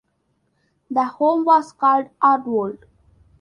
The home was called Ardwold.